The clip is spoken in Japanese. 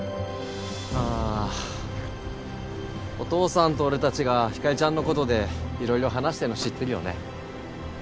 ああお父さんと俺達がひかりちゃんのことで色々話してるの知ってるよね？